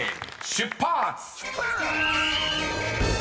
出発！